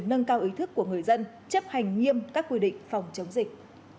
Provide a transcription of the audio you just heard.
nâng cao ý thức của người dân chấp hành nghiêm các quy định phòng chống dịch